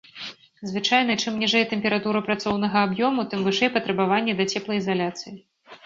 Звычайна, чым ніжэй тэмпература працоўнага аб'ёму, тым вышэй патрабаванні да цеплаізаляцыі.